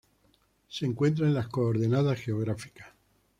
Se encuentra en las coordenadas geográficas